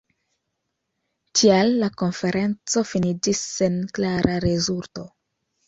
Tial la konferenco finiĝis sen klara rezulto.